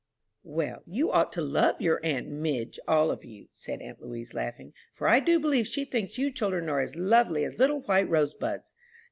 "Well, you ought to love your aunt Mig, all of you," said aunt Louise, laughing, "for I do believe she thinks you children are as lovely as little white rose buds.